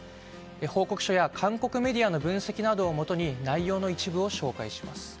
報告書や韓国メディアの分析などをもとに内容の一部を紹介します。